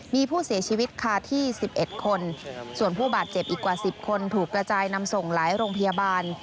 มีผู้เสียชีวิตคาที่๑๑คนส่วนผู้บาดเจ็บอีกกว่า๑๐คนถูกกระจายนำส่งหลายโรงพยาบาล